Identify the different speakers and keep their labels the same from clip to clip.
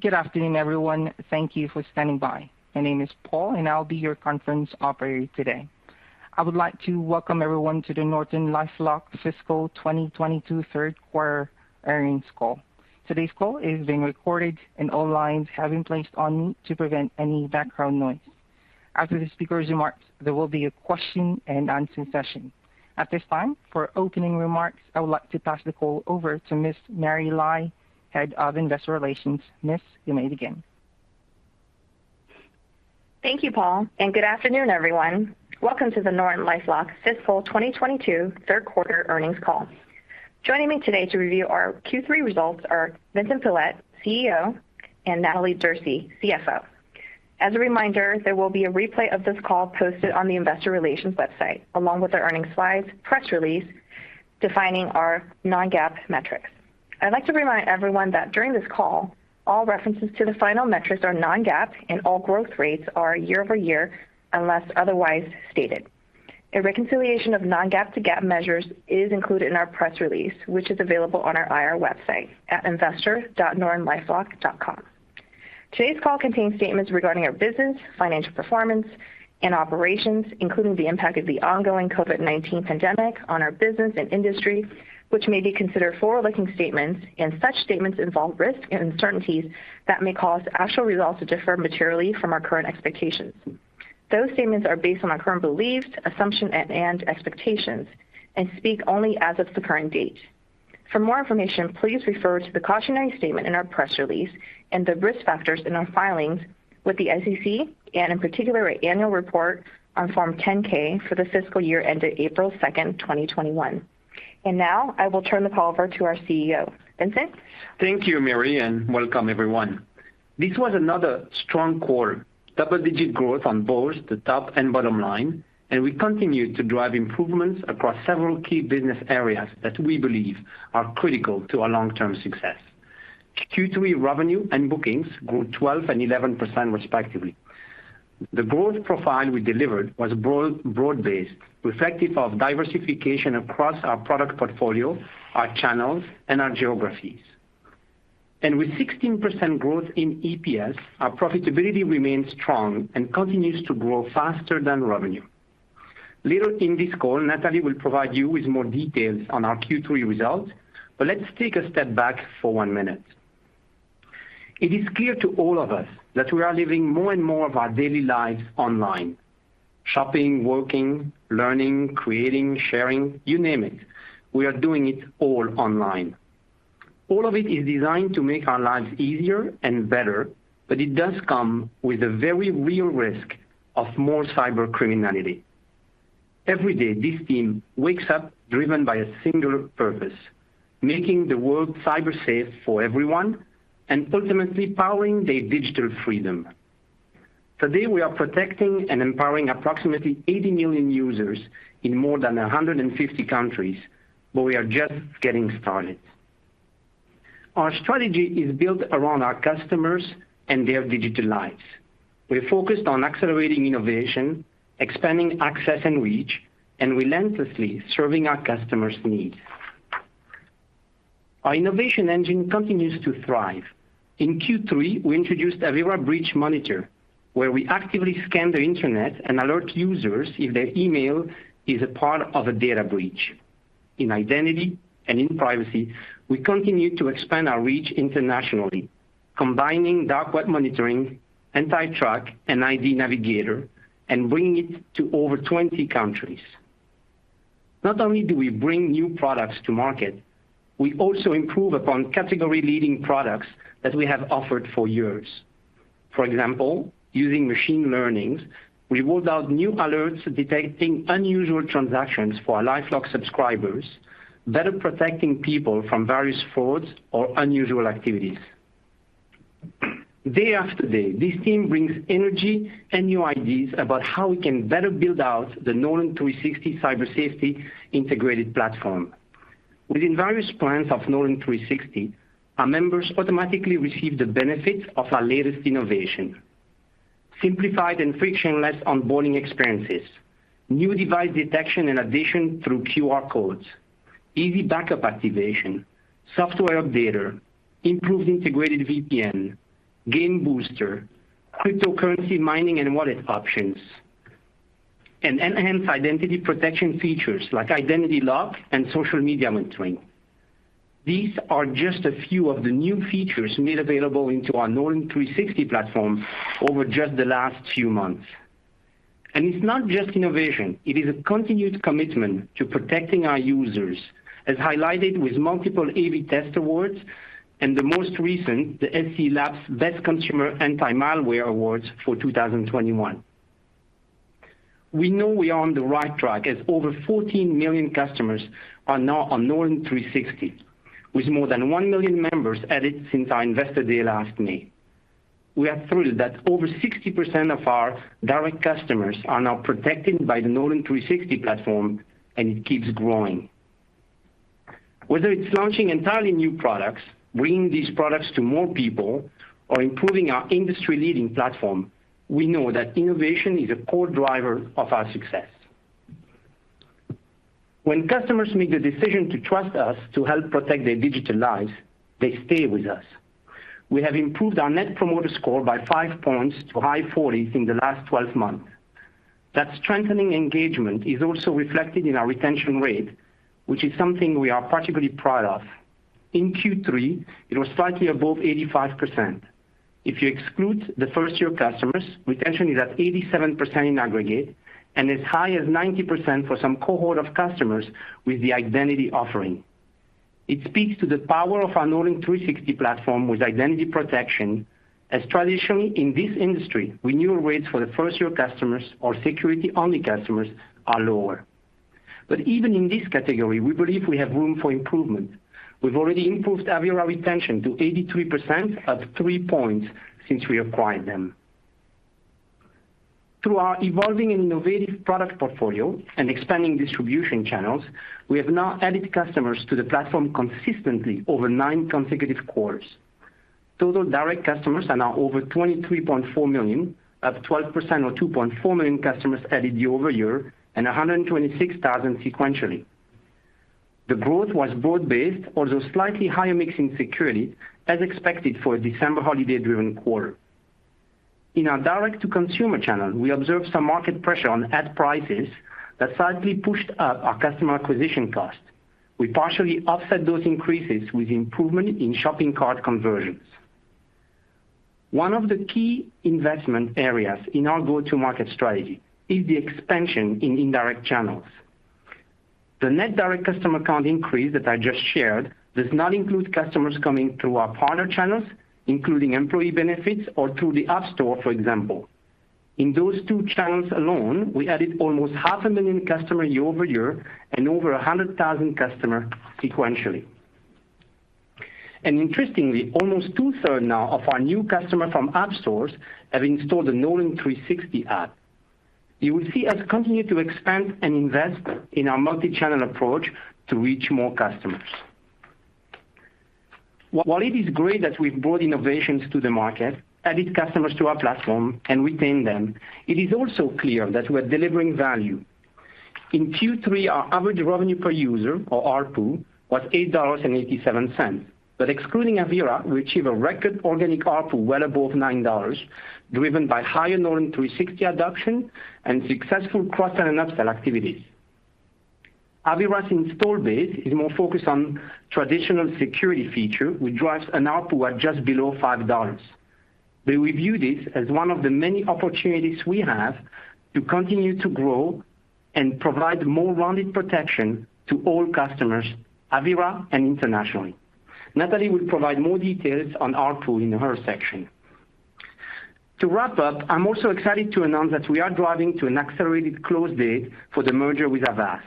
Speaker 1: Good afternoon, everyone. Thank you for standing by. My name is Paul, and I'll be your conference operator today. I would like to welcome everyone to the NortonLifeLock Fiscal 2022 Third Quarter Earnings Call. Today's call is being recorded, and all lines have been placed on mute to prevent any background noise. After the speaker's remarks, there will be a question-and-answer session. At this time, for opening remarks, I would like to pass the call over to Ms. Mary Lai, Head of Investor Relations. Miss, you may begin.
Speaker 2: Thank you, Paul, and good afternoon, everyone. Welcome to the NortonLifeLock Fiscal 2022 Third Quarter Earnings Call. Joining me today to review our Q3 results are Vincent Pilette, CEO, and Natalie Derse, CFO. As a reminder, there will be a replay of this call posted on the investor relations website, along with our earnings slides, press release defining our non-GAAP metrics. I'd like to remind everyone that during this call, all references to the financial metrics are non-GAAP, and all growth rates are year-over-year unless otherwise stated. A reconciliation of non-GAAP to GAAP measures is included in our press release, which is available on our IR website at investor.nortonlifelock.com. Today's call contains statements regarding our business, financial performance, and operations, including the impact of the ongoing COVID-19 pandemic on our business and industry, which may be considered forward-looking statements, and such statements involve risks and uncertainties that may cause actual results to differ materially from our current expectations. Those statements are based on our current beliefs, assumptions, and expectations and speak only as of the current date. For more information, please refer to the cautionary statement in our press release and the risk factors in our filings with the SEC and in particular, our annual report on Form 10-K for the fiscal year ended April 2nd, 2021. Now I will turn the call over to our CEO, Vincent Pilette.
Speaker 3: Thank you, Mary, and welcome everyone. This was another strong quarter. Double-digit growth on both the top and bottom line, and we continue to drive improvements across several key business areas that we believe are critical to our long-term success. Q3 revenue and bookings grew 12% and 11% respectively. The growth profile we delivered was broad-based, reflective of diversification across our product portfolio, our channels, and our geographies. With 16% growth in EPS, our profitability remains strong and continues to grow faster than revenue. Later in this call, Natalie will provide you with more details on our Q3 results, but let's take a step back for one minute. It is clear to all of us that we are living more and more of our daily lives online. Shopping, working, learning, creating, sharing, you name it. We are doing it all online. All of it is designed to make our lives easier and better, but it does come with a very real risk of more cyber criminality. Every day, this team wakes up driven by a singular purpose, making the world cyber safe for everyone and ultimately powering their digital freedom. Today, we are protecting and empowering approximately 80 million users in more than 150 countries, but we are just getting started. Our strategy is built around our customers and their digital lives. We're focused on accelerating innovation, expanding access and reach, and relentlessly serving our customers' needs. Our innovation engine continues to thrive. In Q3, we introduced Avira Breach Monitor, where we actively scan the internet and alert users if their email is a part of a data breach. In identity and in privacy, we continue to expand our reach internationally, combining Dark Web Monitoring, AntiTrack, and ID Navigator, and bring it to over 20 countries. Not only do we bring new products to market, we also improve upon category-leading products that we have offered for years. For example, using machine learning, we rolled out new alerts detecting unusual transactions for our LifeLock subscribers, better protecting people from various frauds or unusual activities. Day after day, this team brings energy and new ideas about how we can better build out the Norton 360 Cyber Safety Integrated Platform. Within various plans of Norton 360, our members automatically receive the benefits of our latest innovation, simplified and frictionless onboarding experiences, new device detection and addition through QR codes, easy backup activation, software updater, improved integrated VPN, game booster, cryptocurrency mining and wallet options, and enhanced identity protection features like Identity Lock and social media monitoring. These are just a few of the new features made available into our Norton 360 platform over just the last few months. It's not just innovation, it is a continued commitment to protecting our users, as highlighted with multiple AV-TEST awards and the most recent, the SE Labs Best Consumer Anti-Malware awards for 2021. We know we are on the right track as over 14 million customers are now on Norton 360, with more than 1 million members added since our investor day last May. We are thrilled that over 60% of our direct customers are now protected by the Norton 360 platform, and it keeps growing. Whether it's launching entirely new products, bringing these products to more people, or improving our industry-leading platform, we know that innovation is a core driver of our success. When customers make the decision to trust us to help protect their digital lives, they stay with us. We have improved our Net Promoter Score by five points to high 40s in the last 12 months. That strengthening engagement is also reflected in our retention rate, which is something we are particularly proud of. In Q3, it was slightly above 85%. If you exclude the first-year customers, retention is at 87% in aggregate and as high as 90% for some cohort of customers with the identity offering. It speaks to the power of our Norton 360 platform with identity protection, as traditionally in this industry, renewal rates for the first-year customers or security-only customers are lower. Even in this category, we believe we have room for improvement. We've already improved Avira retention to 83%, up three points since we acquired them. Through our evolving and innovative product portfolio and expanding distribution channels, we have now added customers to the platform consistently over nine consecutive quarters. Total direct customers are now over 23.4 million, up 12% or 2.4 million customers added year over year and 126,000 sequentially. The growth was broad-based, although slightly higher mix in security as expected for a December holiday-driven quarter. In our direct-to-consumer channel, we observed some market pressure on ad prices that slightly pushed up our customer acquisition cost. We partially offset those increases with improvement in shopping cart conversions. One of the key investment areas in our go-to-market strategy is the expansion in indirect channels. The net direct customer count increase that I just shared does not include customers coming through our partner channels, including employee benefits or through the App Store, for example. In those two channels alone, we added almost 500,000 customers year-over-year and over 100,000 customers sequentially. Interestingly, almost two-thirds now of our new customers from app stores have installed the Norton 360 app. You will see us continue to expand and invest in our multichannel approach to reach more customers. While it is great that we've brought innovations to the market, added customers to our platform, and retain them, it is also clear that we're delivering value. In Q3, our average revenue per user or ARPU was $8.87, excluding Avira, we achieved a record organic ARPU well above $9, driven by higher Norton 360 adoption and successful cross-sell and up-sell activities. Avira's install base is more focused on traditional security feature, which drives an ARPU at just below $5. We view this as one of the many opportunities we have to continue to grow and provide more rounded protection to all customers, Avira and internationally. Natalie will provide more details on ARPU in her section. To wrap up, I'm also excited to announce that we are driving to an accelerated close date for the merger with Avast.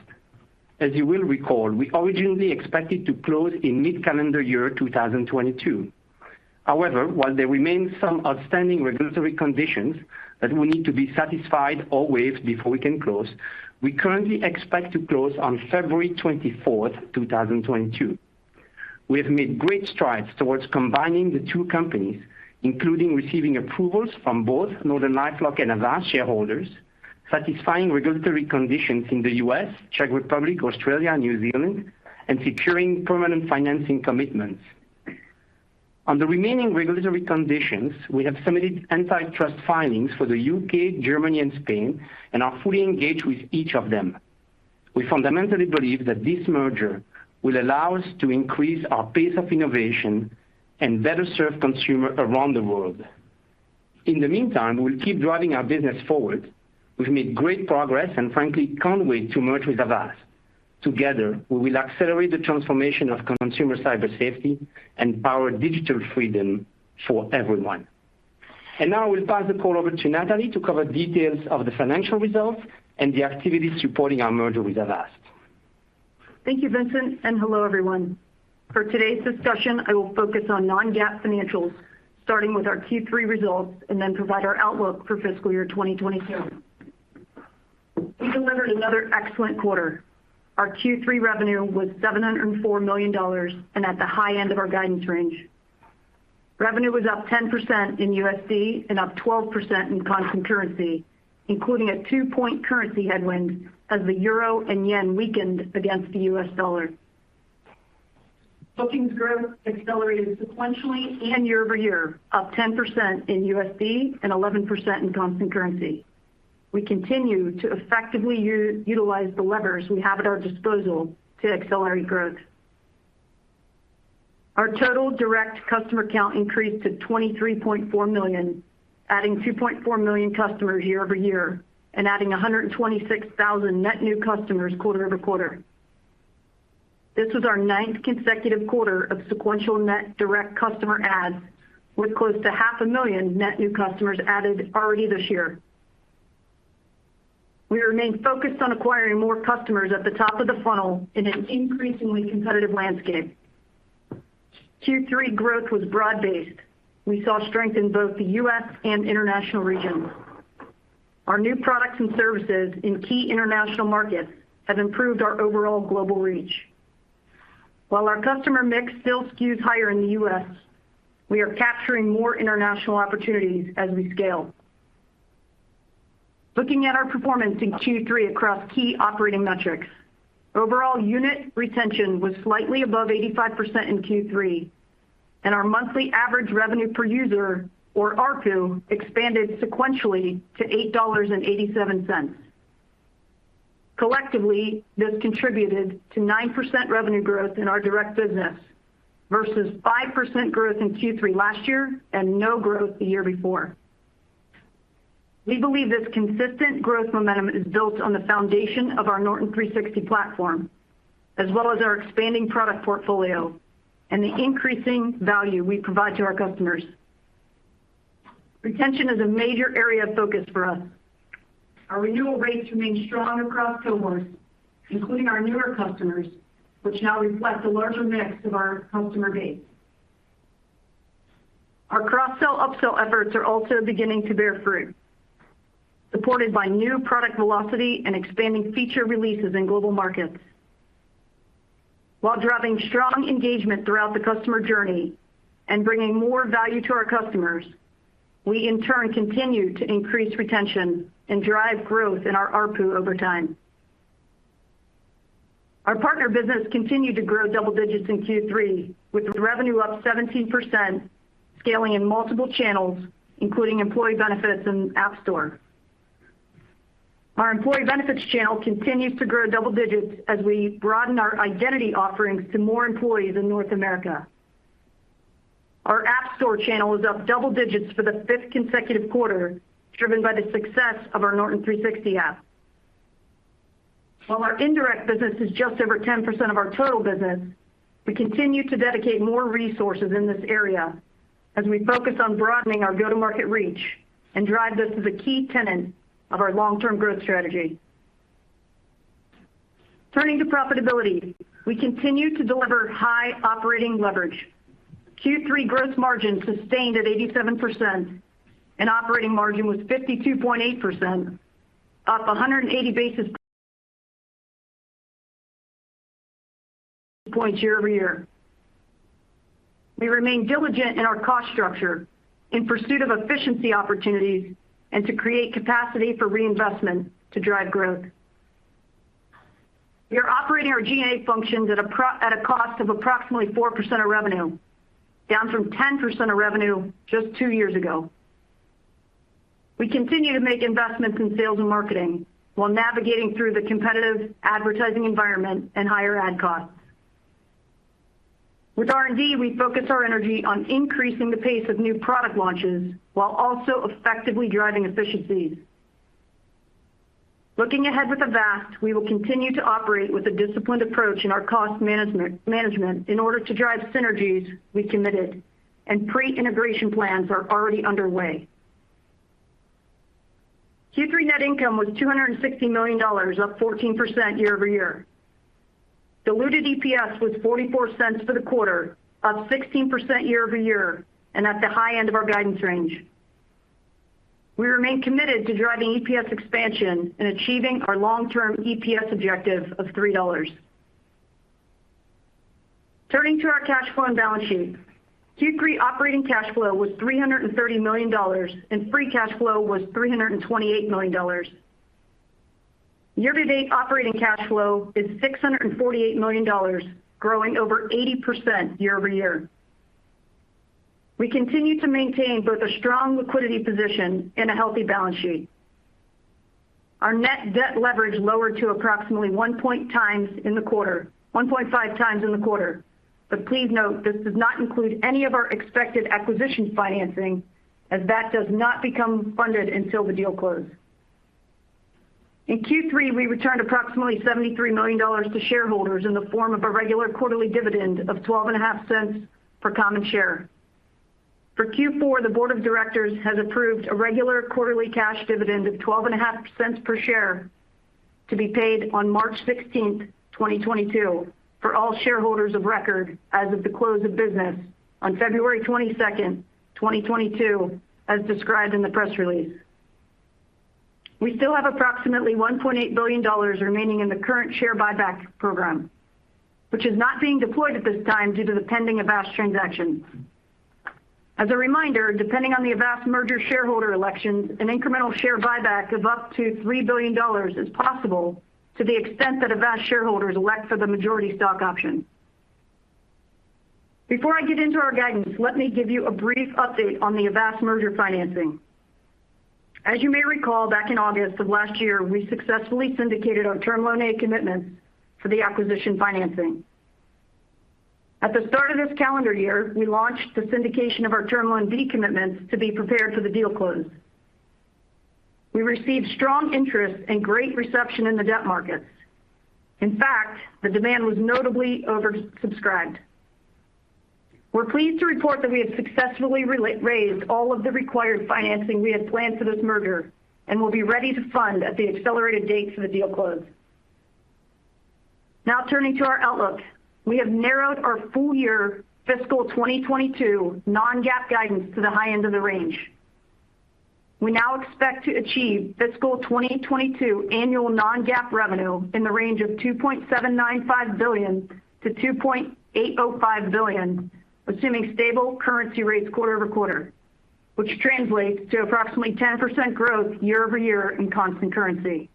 Speaker 3: As you will recall, we originally expected to close in mid-calendar year 2022. However, while there remain some outstanding regulatory conditions that will need to be satisfied or waived before we can close, we currently expect to close on February 24th, 2022. We have made great strides towards combining the two companies, including receiving approvals from both NortonLifeLock and Avast shareholders, satisfying regulatory conditions in the U.S., Czech Republic, Australia, New Zealand, and securing permanent financing commitments. On the remaining regulatory conditions, we have submitted antitrust filings for the U.K., Germany and Spain, and are fully engaged with each of them. We fundamentally believe that this merger will allow us to increase our pace of innovation and better serve consumers around the world. In the meantime, we'll keep driving our business forward. We've made great progress and frankly can't wait to merge with Avast. Together, we will accelerate the transformation of consumer cyber safety and power digital freedom for everyone. Now I will pass the call over to Natalie to cover details of the financial results and the activities supporting our merger with Avast.
Speaker 4: Thank you, Vincent, and hello, everyone. For today's discussion, I will focus on non-GAAP financials, starting with our Q3 results and then provide our outlook for fiscal year 2022. We delivered another excellent quarter. Our Q3 revenue was $704 million and at the high end of our guidance range. Revenue was up 10% in USD and up 12% in constant currency, including a 2-point currency headwind as the euro and yen weakened against the US dollar. Bookings growth accelerated sequentially and year-over-year, up 10% in USD and 11% in constant currency. We continue to effectively utilize the levers we have at our disposal to accelerate growth. Our total direct customer count increased to 23.4 million, adding 2.4 million customers year-over-year and adding 126,000 net new customers quarter-over-quarter. This was our ninth consecutive quarter of sequential net direct customer adds, with close to half a million net new customers added already this year. We remain focused on acquiring more customers at the top of the funnel in an increasingly competitive landscape. Q3 growth was broad-based. We saw strength in both the U.S. and international regions. Our new products and services in key international markets have improved our overall global reach. While our customer mix still skews higher in the U.S., we are capturing more international opportunities as we scale. Looking at our performance in Q3 across key operating metrics. Overall unit retention was slightly above 85% in Q3, and our monthly average revenue per user or ARPU expanded sequentially to $8.87. Collectively, this contributed to 9% revenue growth in our direct business versus 5% growth in Q3 last year and no growth the year before. We believe this consistent growth momentum is built on the foundation of our Norton 360 platform, as well as our expanding product portfolio and the increasing value we provide to our customers. Retention is a major area of focus for us. Our renewal rates remain strong across cohorts, including our newer customers, which now reflect a larger mix of our customer base. Our cross-sell upsell efforts are also beginning to bear fruit, supported by new product velocity and expanding feature releases in global markets. While driving strong engagement throughout the customer journey and bringing more value to our customers, we in turn continue to increase retention and drive growth in our ARPU over time. Our partner business continued to grow double digits in Q3, with revenue up 17%, scaling in multiple channels, including employee benefits and App Store. Our employee benefits channel continues to grow double digits as we broaden our identity offerings to more employees in North America. Our App Store channel is up double digits for the fifth consecutive quarter, driven by the success of our Norton 360 app. While our indirect business is just over 10% of our total business, we continue to dedicate more resources in this area as we focus on broadening our go-to-market reach and drive this as a key tenet of our long-term growth strategy. Turning to profitability, we continue to deliver high operating leverage. Q3 gross margin sustained at 87% and operating margin was 52.8%, up 180 basis points year-over-year. We remain diligent in our cost structure in pursuit of efficiency opportunities and to create capacity for reinvestment to drive growth. We are operating our G&A functions at a cost of approximately 4% of revenue, down from 10% of revenue just two years ago. We continue to make investments in sales and marketing while navigating through the competitive advertising environment and higher ad costs. With R&D, we focus our energy on increasing the pace of new product launches while also effectively driving efficiencies. Looking ahead with Avast, we will continue to operate with a disciplined approach in our cost management in order to drive synergies we committed, and pre-integration plans are already underway. Q3 net income was $260 million, up 14% year-over-year. Diluted EPS was $0.44 for the quarter, up 16% year-over-year, and at the high end of our guidance range. We remain committed to driving EPS expansion and achieving our long-term EPS objective of $3. Turning to our cash flow and balance sheet. Q3 operating cash flow was $330 million, and free cash flow was $328 million. Year-to-date operating cash flow is $648 million, growing over 80% year-over-year. We continue to maintain both a strong liquidity position and a healthy balance sheet. Our net debt leverage lowered to approximately 1.5x in the quarter. Please note, this does not include any of our expected acquisition financing as that does not become funded until the deal close. In Q3, we returned approximately $73 million to shareholders in the form of a regular quarterly dividend of $0.125 per common share. For Q4, the board of directors has approved a regular quarterly cash dividend of $0.125 per share to be paid on March 16th, 2022, for all shareholders of record as of the close of business on February 22nd, 2022, as described in the press release. We still have approximately $1.8 billion remaining in the current share buyback program, which is not being deployed at this time due to the pending Avast transaction. As a reminder, depending on the Avast merger shareholder elections, an incremental share buyback of up to $3 billion is possible to the extent that Avast shareholders elect for the majority stock option. Before I get into our guidance, let me give you a brief update on the Avast merger financing. As you may recall, back in August of last year, we successfully syndicated our Term Loan A commitments for the acquisition financing. At the start of this calendar year, we launched the syndication of our Term Loan B commitments to be prepared for the deal close. We received strong interest and great reception in the debt markets. In fact, the demand was notably oversubscribed. We're pleased to report that we have successfully raised all of the required financing we had planned for this merger and will be ready to fund at the accelerated date for the deal close. Now turning to our outlook. We have narrowed our full year fiscal 2022 non-GAAP guidance to the high end of the range. We now expect to achieve fiscal 2022 annual non-GAAP revenue in the range of $2.795 billion-$2.805 billion, assuming stable currency rates quarter over quarter, which translates to approximately 10% growth year-over-year in constant currency.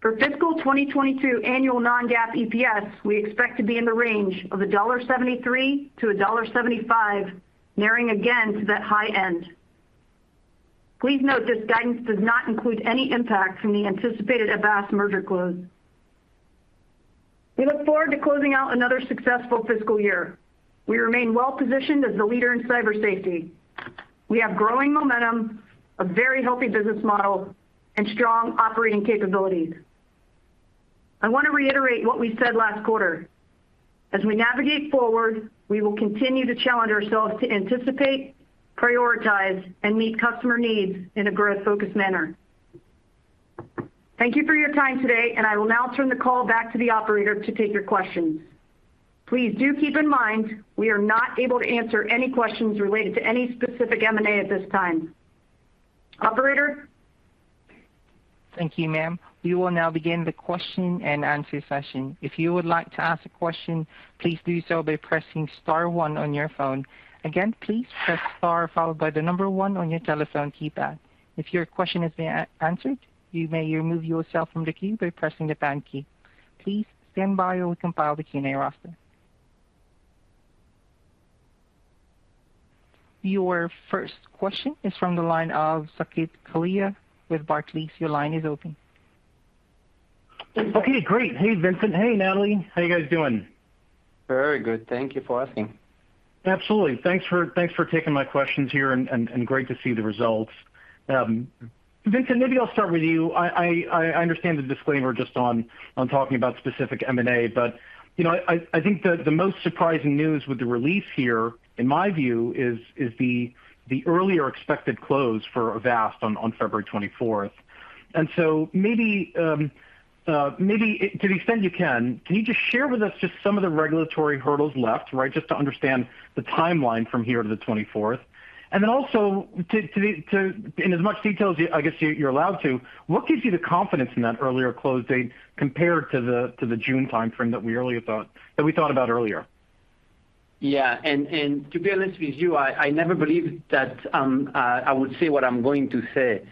Speaker 4: For fiscal 2022 annual non-GAAP EPS, we expect to be in the range of $1.73-$1.75, nearing again to that high end. Please note this guidance does not include any impact from the anticipated Avast merger close. We look forward to closing out another successful fiscal year. We remain well positioned as the leader in cyber safety. We have growing momentum, a very healthy business model, and strong operating capabilities. I want to reiterate what we said last quarter. As we navigate forward, we will continue to challenge ourselves to anticipate, prioritize, and meet customer needs in a growth-focused manner. Thank you for your time today, and I will now turn the call back to the operator to take your questions. Please do keep in mind we are not able to answer any questions related to any specific M&A at this time. Operator?
Speaker 1: Thank you, ma'am. We will now begin the question and answer session. If you would like to ask a question, please do so by pressing star one on your phone. Again, please press star followed by the number one on your telephone keypad. If your question has been answered, you may remove yourself from the queue by pressing the pound key. Please stand by while we compile the Q&A roster. Your first question is from the line of Saket Kalia with Barclays. Your line is open.
Speaker 5: Okay, great. Hey, Vincent. Hey, Natalie. How you guys doing?
Speaker 3: Very good. Thank you for asking.
Speaker 5: Absolutely. Thanks for taking my questions here and great to see the results. Vincent, maybe I'll start with you. I understand the disclaimer just on talking about specific M&A, but you know, I think the most surprising news with the release here, in my view, is the earlier expected close for Avast on February 24. Maybe to the extent you can you just share with us just some of the regulatory hurdles left, right? Just to understand the timeline from here to the 24th. Then also to the... I guess you're allowed to, what gives you the confidence in that earlier close date compared to the June timeframe that we thought about earlier?
Speaker 3: Yeah. To be honest with you, I never believed that I would say what I'm going to say,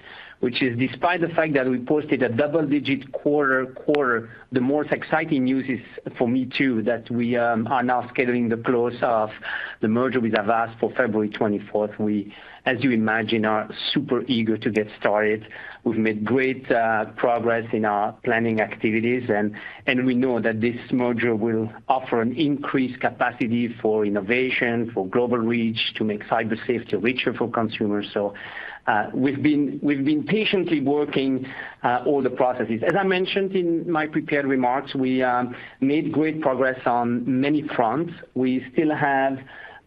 Speaker 3: which is despite the fact that we posted a double-digit quarter, the most exciting news is for me too, that we are now scheduling the close of the merger with Avast for February 24th. We, as you imagine, are super eager to get started. We've made great progress in our planning activities and we know that this merger will offer an increased capacity for innovation, for global reach, to make cyber safety richer for consumers. We've been patiently working all the processes. As I mentioned in my prepared remarks, we made great progress on many fronts. We still have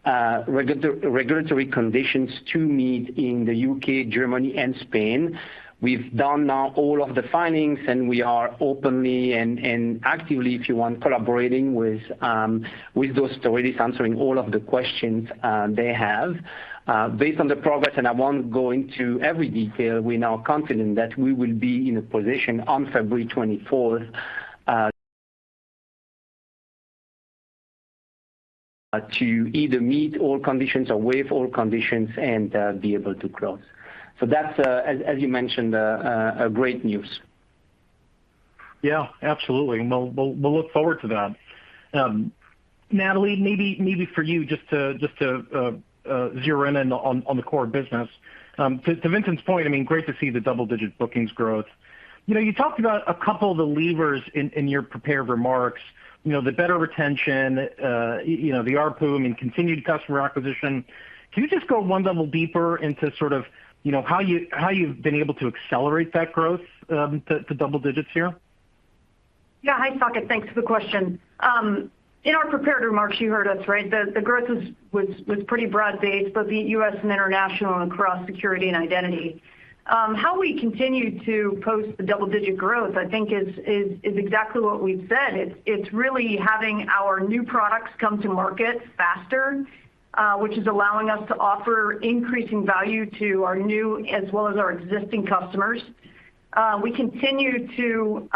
Speaker 3: regulatory conditions to meet in the U.K., Germany and Spain. We've done now all of the filings, and we are openly and actively, if you want, collaborating with those authorities, answering all of the questions they have. Based on the progress, and I won't go into every detail, we're now confident that we will be in a position on February 24th to either meet all conditions or waive all conditions and be able to close. That's, as you mentioned, a great news.
Speaker 5: Yeah, absolutely. We'll look forward to that. Natalie, maybe for you just to zero in on the core business. To Vincent's point, I mean, great to see the double-digit bookings growth. You know, you talked about a couple of the levers in your prepared remarks. You know, the better retention, you know, the ARPU and continued customer acquisition. Can you just go one level deeper into sort of, you know, how you've been able to accelerate that growth to double digits here?
Speaker 4: Yeah. Hi, Saket. Thanks for the question. In our prepared remarks, you heard us right. The growth was pretty broad-based, both the U.S. and international and across security and identity. How we continue to post the double-digit growth, I think is exactly what we've said. It's really having our new products come to market faster, which is allowing us to offer increasing value to our new as well as our existing customers. We continue to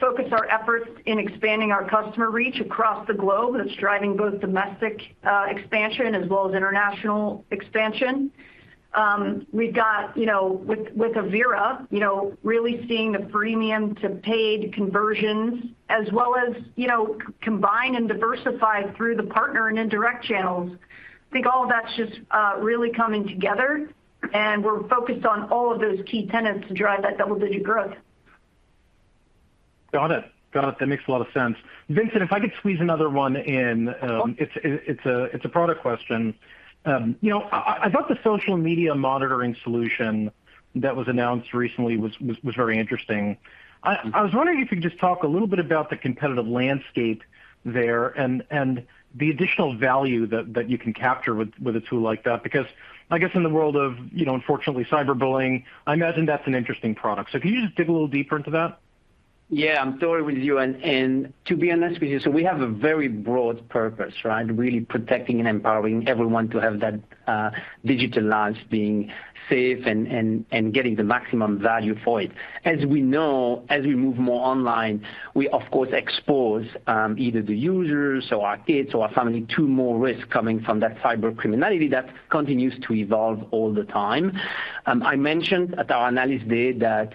Speaker 4: focus our efforts in expanding our customer reach across the globe. That's driving both domestic expansion as well as international expansion. We've got, you know, with Avira, you know, really seeing the premium to paid conversions as well as, you know, combine and diversify through the partner and indirect channels. I think all of that's just really coming together and we're focused on all of those key tenets to drive that double-digit growth.
Speaker 5: Got it. That makes a lot of sense. Vincent, if I could squeeze another one in. It's a product question. You know, I thought the social media monitoring solution that was announced recently was very interesting. I was wondering if you could just talk a little bit about the competitive landscape there and the additional value that you can capture with a tool like that. Because I guess in the world of, you know, unfortunately cyberbullying, I imagine that's an interesting product. Can you just dig a little deeper into that?
Speaker 3: Yeah, I'm totally with you to be honest with you, so we have a very broad purpose, right? Really protecting and empowering everyone to have that digital lives being safe and getting the maximum value for it. As we know, as we move more online, we of course expose either the users or our kids or our family to more risk coming from that cyber criminality that continues to evolve all the time. I mentioned at our analyst day that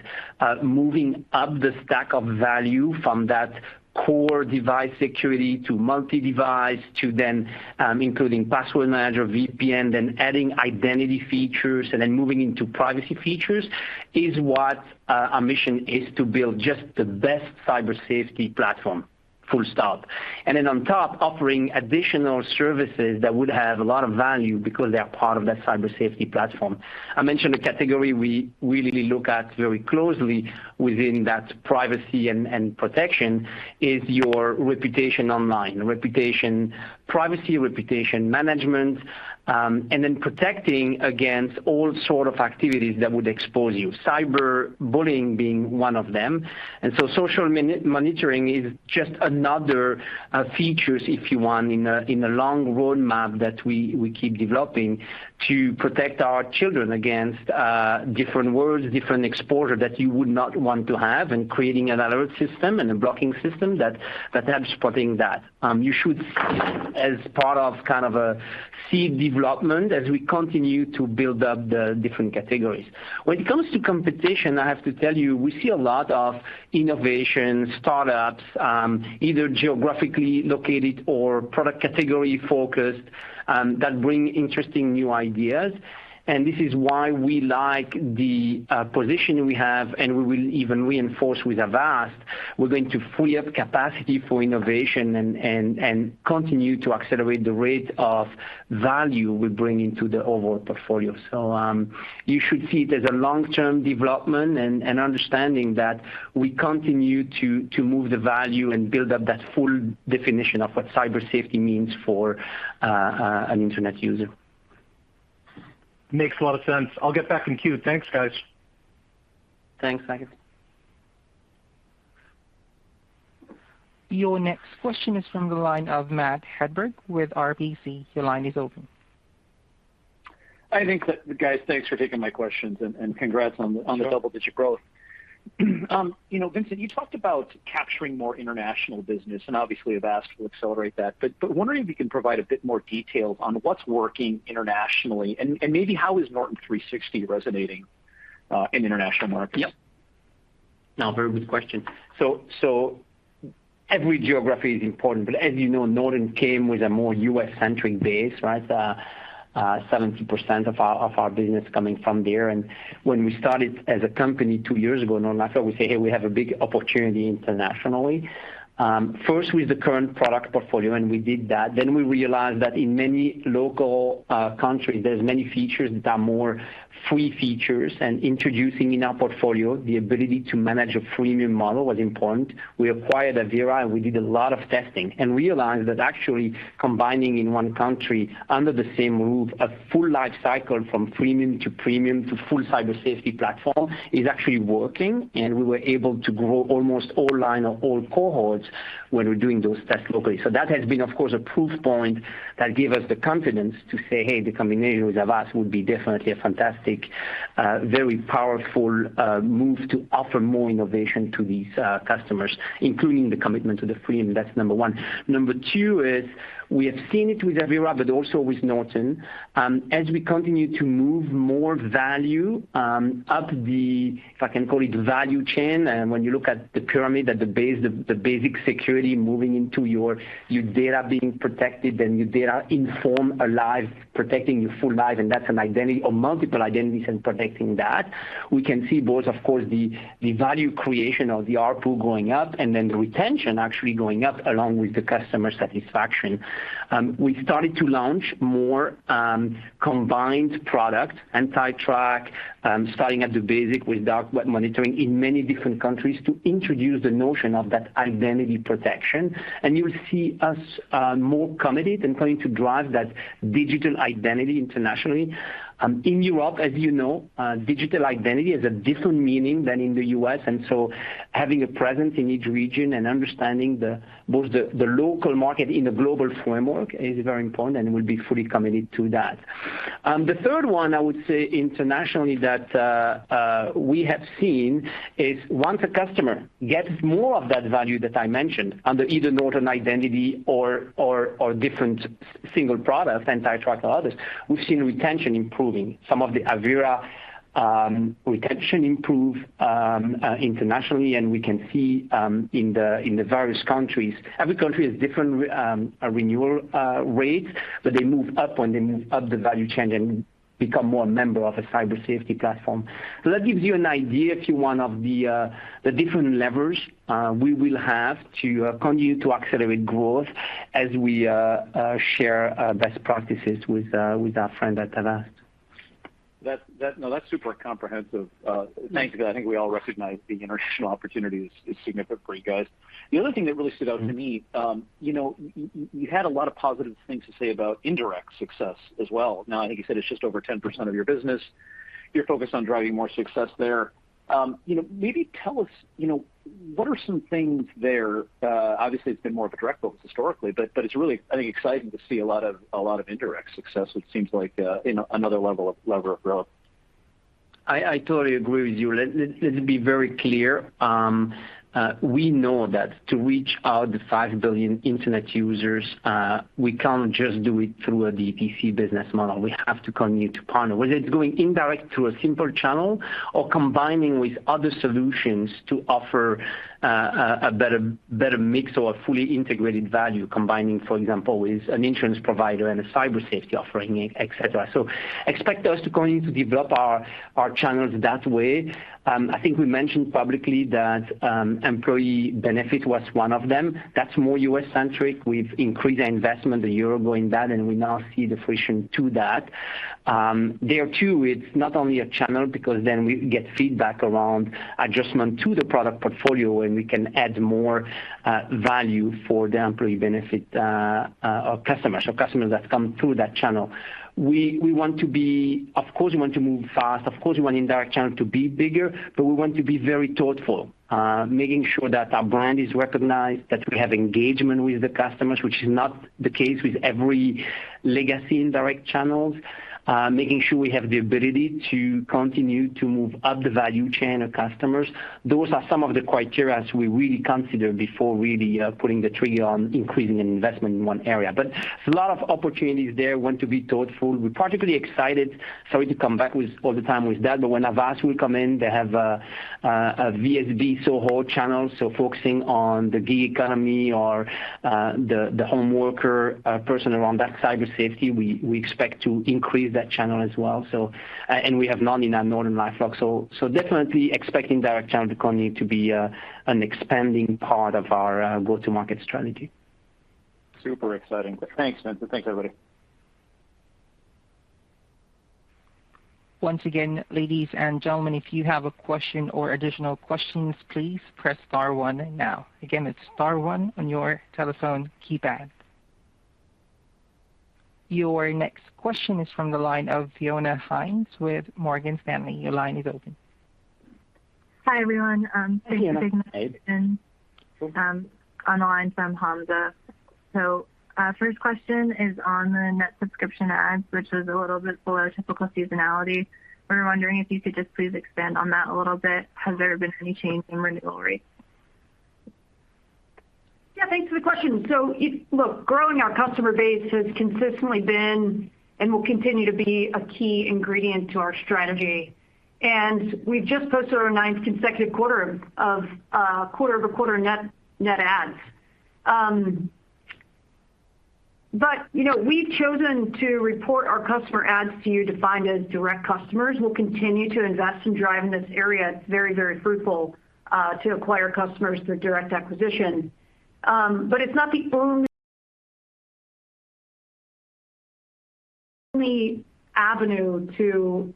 Speaker 3: moving up the stack of value from that core device security to multi-device to then including password manager, VPN, then adding identity features and then moving into privacy features is what our mission is to build just the best cyber safety platform, full stop. Then on top, offering additional services that would have a lot of value because they are part of that cyber safety platform. I mentioned a category we really look at very closely within that privacy and protection is your reputation online, reputation privacy, reputation management, and then protecting against all sorts of activities that would expose you. Cyber bullying being one of them. Social monitoring is just another features, if you want, in a long roadmap that we keep developing to protect our children against different worlds, different exposure that you would not want to have, and creating an alert system and a blocking system that are supporting that. You should see as part of kind of a seed development as we continue to build up the different categories. When it comes to competition, I have to tell you, we see a lot of innovation, startups, either geographically located or product category focused, that bring interesting new ideas. This is why we like the position we have and we will even reinforce with Avast. We're going to free up capacity for innovation and continue to accelerate the rate of value we bring into the overall portfolio. You should see it as a long-term development and understanding that we continue to move the value and build up that full definition of what cyber safety means for an internet user.
Speaker 5: Makes a lot of sense. I'll get back in queue. Thanks, guys.
Speaker 3: Thanks, Saket.
Speaker 1: Your next question is from the line of Matt Hedberg with RBC. Your line is open.
Speaker 6: Guys, thanks for taking my questions and congrats on the double-digit growth. You know, Vincent, you talked about capturing more international business, and obviously Avast will accelerate that. Wondering if you can provide a bit more details on what's working internationally and maybe how is Norton 360 resonating in international markets?
Speaker 3: Yeah. No, very good question. So every geography is important, but as you know, Norton came with a more U.S.-centric base, right? 70% of our business coming from there. When we started as a company two years ago, NortonLifeLock, we say, "Hey, we have a big opportunity internationally." First with the current product portfolio, and we did that. Then we realized that in many local countries, there's many features that are more free features, and introducing in our portfolio the ability to manage a freemium model was important. We acquired Avira, and we did a lot of testing and realized that actually combining in one country under the same roof a full life cycle from freemium to premium to full cyber safety platform is actually working, and we were able to grow almost all line of all cohorts when we're doing those tests locally. That has been, of course, a proof point that gave us the confidence to say, "Hey, the combination with Avast would be definitely a fantastic, very powerful, move to offer more innovation to these, customers," including the commitment to the freemium. That's number one. Number two is we have seen it with Avira but also with Norton. As we continue to move more value up the value chain, if I can call it that, and when you look at the pyramid at the base, the basic security moving into your data being protected, then your data inform a life, protecting your full life, and that's an identity or multiple identities and protecting that. We can see both, of course, the value creation of the ARPU going up and then the retention actually going up along with the customer satisfaction. We started to launch more combined product, Norton AntiTrack, starting at the basic with Dark Web Monitoring in many different countries to introduce the notion of that identity protection. You'll see us more committed and going to drive that digital identity internationally. In Europe, as you know, digital identity has a different meaning than in the U.S., and so having a presence in each region and understanding both the local market in a global framework is very important, and we'll be fully committed to that. The third one I would say internationally that we have seen is once a customer gets more of that value that I mentioned under either Norton Identity or different single product, AntiTrack or others, we've seen retention improving. Some of the Avira retention improvements internationally, and we can see in the various countries. Every country has different renewal rates, but they move up when they move up the value chain and become more a member of a cyber safety platform. That gives you an idea, if you want, of the different levers we will have to continue to accelerate growth as we share best practices with our friends at Avast.
Speaker 6: No, that's super comprehensive. Thanks. I think we all recognize the international opportunity is significant for you guys. The other thing that really stood out to me, you know, you had a lot of positive things to say about indirect success as well. Now, I think you said it's just over 10% of your business. You're focused on driving more success there. You know, maybe tell us, you know, what are some things there, obviously it's been more of a direct focus historically, but it's really, I think, exciting to see a lot of indirect success, it seems like, in another lever of growth.
Speaker 3: I totally agree with you. Let's be very clear. We know that to reach out to the 5 billion internet users, we can't just do it through a DTC business model. We have to continue to partner, whether it's going indirect through a simple channel or combining with other solutions to offer a better mix or a fully integrated value combining, for example, with an insurance provider and a cyber safety offering, et cetera. Expect us to continue to develop our channels that way. I think we mentioned publicly that employee benefit was one of them. That's more U.S.-centric. We've increased our investment a year ago in that, and we now see the fruition to that. There too, it's not only a channel because then we get feedback around adjustment to the product portfolio, and we can add more value for the employee benefit of customers or customers that come through that channel. We want to be. Of course, we want to move fast. Of course, we want indirect channel to be bigger, but we want to be very thoughtful, making sure that our brand is recognized, that we have engagement with the customers, which is not the case with every legacy indirect channels, making sure we have the ability to continue to move up the value chain of customers. Those are some of the criteria we really consider before really pulling the trigger on increasing an investment in one area. There's a lot of opportunities there. We want to be thoughtful. We're particularly excited. Sorry to come back with all the time with that, but when Avast will come in, they have a VSB SOHO channel, so focusing on the gig economy or the home worker person around that cyber safety. We expect to increase that channel as well. And we have none in our NortonLifeLock. Definitely expecting direct channel to continue to be an expanding part of our go-to-market strategy. Super exciting. Thanks, Vincent. Thanks, everybody.
Speaker 1: Once again, ladies and gentlemen, if you have a question or additional questions, please press star one now. Again, it's star one on your telephone keypad. Your next question is from the line of Hamza Fodderwala with Morgan Stanley. Your line is open.
Speaker 7: Hi, everyone.
Speaker 1: Hi, Hamza.
Speaker 7: Thank you for taking my question. On the line from Hamza. First question is on the net subscription adds, which was a little bit below typical seasonality. We were wondering if you could just please expand on that a little bit. Has there been any change in renewal rates?
Speaker 4: Yeah, thanks for the question. Look, growing our customer base has consistently been and will continue to be a key ingredient to our strategy. We've just posted our ninth consecutive quarter of quarter-over-quarter net adds. But you know, we've chosen to report our customer adds to you, defined as direct customers. We'll continue to invest in driving this area. It's very fruitful to acquire customers through direct acquisition. But it's not the only avenue to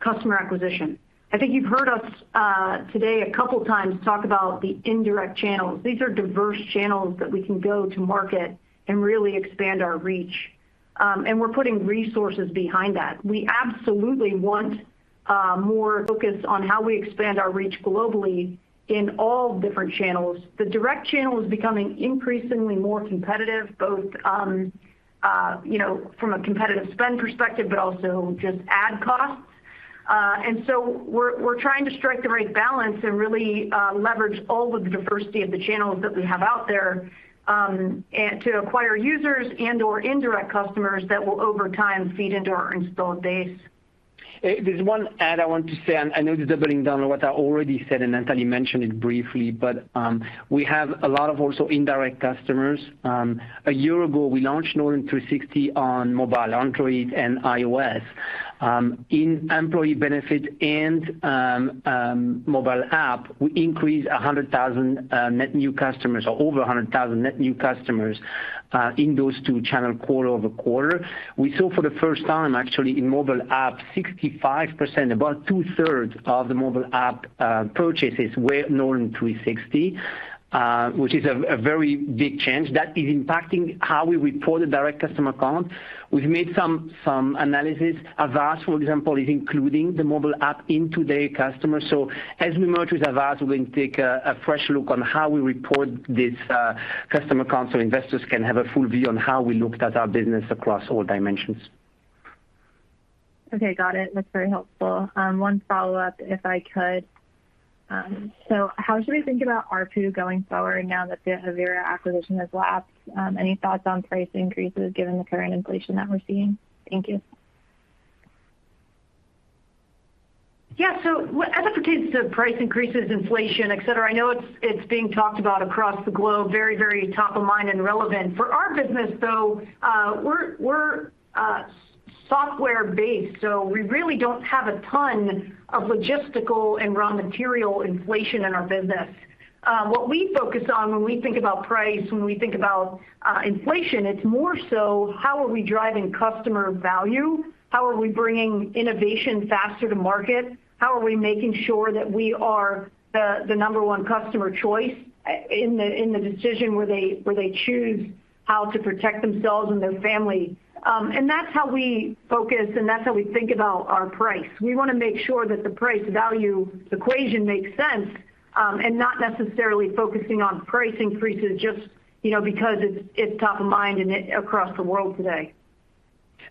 Speaker 4: customer acquisition. I think you've heard us today a couple times talk about the indirect channels. These are diverse channels that we can go to market and really expand our reach. We're putting resources behind that. We absolutely want more focus on how we expand our reach globally in all different channels. The direct channel is becoming increasingly more competitive, both, you know, from a competitive spend perspective, but also just ad costs. We're trying to strike the right balance and really leverage all of the diversity of the channels that we have out there, to acquire users and/or indirect customers that will over time feed into our installed base.
Speaker 3: There's one add I want to say, and I know this is doubling down on what I already said, and Natalie Derse mentioned it briefly, but we have a lot of also indirect customers. A year ago, we launched Norton 360 on mobile, Android and iOS. In employee benefit and mobile app, we increased 100,000 net new customers or over 100,000 net new customers in those two channels quarter-over-quarter. We saw for the first time actually in mobile app, 65%, about two-thirds of the mobile app purchases were Norton 360, which is a very big change. That is impacting how we report the direct customer count. We've made some analysis. Avast, for example, is including the mobile app into their customer. As we merge with Avast, we're going to take a fresh look on how we report this customer count so investors can have a full view on how we looked at our business across all dimensions.
Speaker 7: Okay. Got it. That's very helpful. One follow-up if I could. How should we think about ARPU going forward now that the Avira acquisition has lapsed? Any thoughts on price increases given the current inflation that we're seeing? Thank you.
Speaker 4: As it pertains to price increases, inflation, et cetera, I know it's being talked about across the globe, very top of mind and relevant. For our business though, we're software based, so we really don't have a ton of logistical and raw material inflation in our business. What we focus on when we think about price and inflation, it's more so how are we driving customer value? How are we bringing innovation faster to market? How are we making sure that we are the number one customer choice in the decision where they choose how to protect themselves and their family? That's how we focus, and that's how we think about our price. We wanna make sure that the price value equation makes sense, and not necessarily focusing on price increases just, you know, because it's top of mind and across the world today.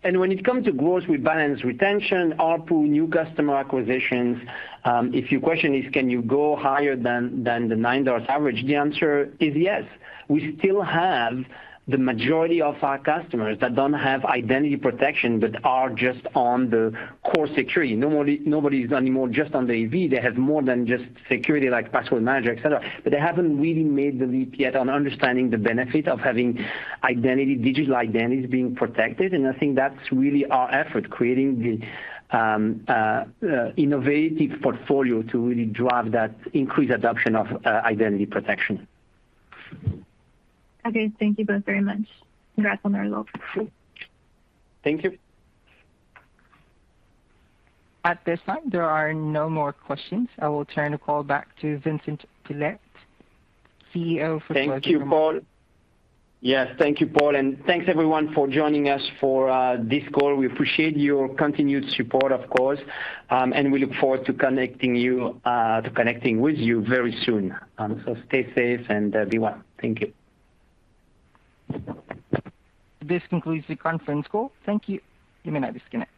Speaker 3: When it comes to growth, we balance retention, ARPU, new customer acquisitions. If your question is can you go higher than the $9 average, the answer is yes. We still have the majority of our customers that don't have identity protection, but are just on the core security. Nobody is anymore just on the AV. They have more than just security like password manager, et cetera, but they haven't really made the leap yet on understanding the benefit of having identity, digital identities being protected. I think that's really our effort, creating the innovative portfolio to really drive that increased adoption of identity protection.
Speaker 7: Okay. Thank you both very much. Congrats on the results.
Speaker 3: Thank you.
Speaker 1: At this time, there are no more questions. I will turn the call back to Vincent Pilette, CEO for closing remarks.
Speaker 3: Thank you, Paul, and thanks everyone for joining us for this call. We appreciate your continued support, of course. We look forward to connecting with you very soon. Stay safe and be well. Thank you.
Speaker 1: This concludes the conference call. Thank you. You may now disconnect.